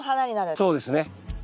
そうですね。